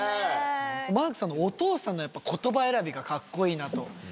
マークさんのお父さんの言葉選びがカッコイイなと思って。